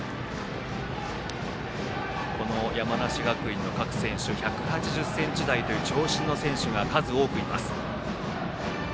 山梨学院の各選手１８０ｃｍ台という長身の選手が数多くいます。